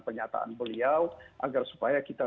pernyataan beliau agar supaya kita